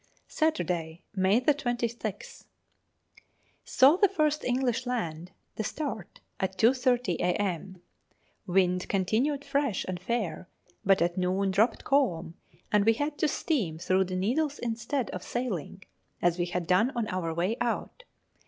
Saturday, May 26th. Saw the first English land, the Start, at 2.30 a.m. Wind continued fresh and fair, but at noon dropped calm, and we had to steam through the Needles instead of sailing, as we had done on our way out.